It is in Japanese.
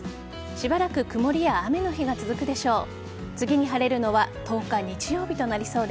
しばらく曇りや雨の日が続くでしょう。